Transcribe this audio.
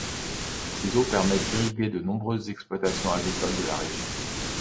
Ses eaux permettent d'irriguer de nombreuses exploitations agricoles de la région.